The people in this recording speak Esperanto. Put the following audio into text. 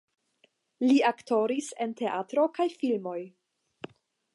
Li aktoris en teatro kaj filmoj.